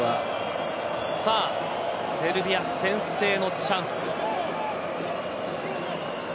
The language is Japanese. さあセルビア先制のチャンス。